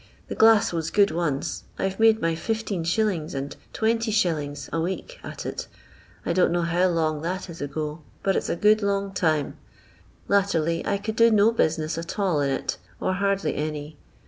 The glass was good once; I 've made my 15s. and 20«. a week at it : I don't know how long that is ago, but it's a good long time. Latterly I could do no busi ness at all in it, or hardly any.